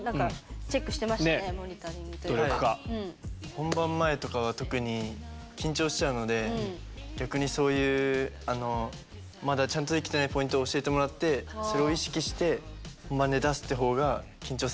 本番前とかは特に緊張しちゃうので逆にそういうまだちゃんとできてないポイントを教えてもらってそれを意識して本番で出すって方が緊張せずにできるので僕はいつも。